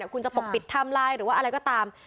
คุณจะปกปิดไทม์ไลน์หรือว่าอะไรก็ตาม